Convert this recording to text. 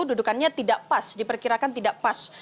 dudukannya tidak pas diperkirakan tidak pas